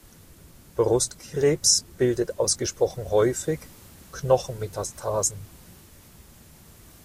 Brustkrebs bildet ausgesprochen häufig Knochenmetastasen.